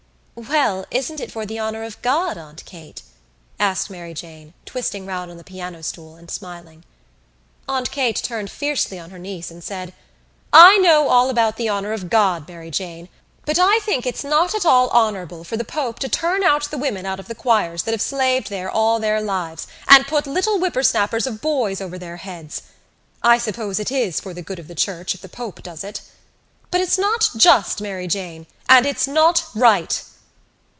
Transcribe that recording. "Well, isn't it for the honour of God, Aunt Kate?" asked Mary Jane, twisting round on the piano stool and smiling. Aunt Kate turned fiercely on her niece and said: "I know all about the honour of God, Mary Jane, but I think it's not at all honourable for the pope to turn out the women out of the choirs that have slaved there all their lives and put little whipper snappers of boys over their heads. I suppose it is for the good of the Church if the pope does it. But it's not just, Mary Jane, and it's not right."